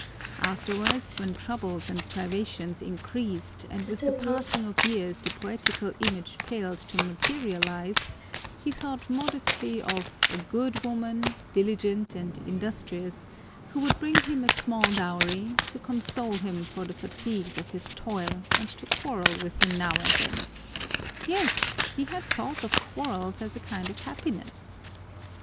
Afterwards, when troubles and privations increased and with the passing of years the poetical image failed to materialize, he thought modestly of a good woman, diligent and industrious, who would bring him a small dowry, to console him for the fatigues of his toil and to quarrel with him now and then yes, he had thought of quarrels as a kind of happiness!